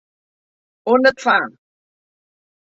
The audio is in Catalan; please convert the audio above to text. On et fa??